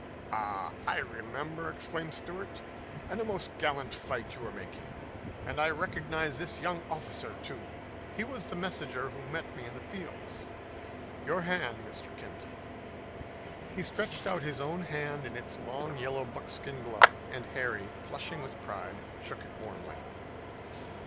"Ah, I remember!" exclaimed Stuart. "And a most gallant fight you were making. And I recognize this young officer, too. He was the messenger who met me in the fields. Your hand, Mr. Kenton." He stretched out his own hand in its long yellow buckskin glove, and Harry, flushing with pride, shook it warmly.